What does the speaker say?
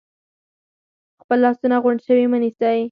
خپل لاسونه غونډ شوي مه نیسئ،